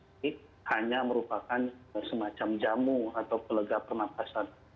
ini hanya merupakan semacam jamu atau pelega pernafasan